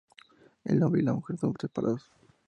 El hombre y la mujer son separados.